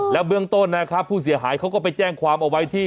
แล้วเบื้องต้นนะครับผู้เสียหายเขาก็ไปแจ้งความเอาไว้ที่